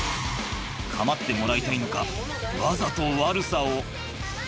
構ってもらいたいのかわざと悪さを。